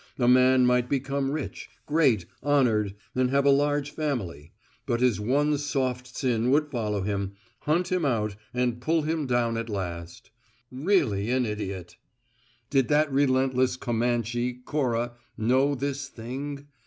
A man might become rich, great, honoured, and have a large family, but his one soft sin would follow him, hunt him out and pull him down at last. "Really an idiot!" Did that relentless Comanche, Cora, know this Thing?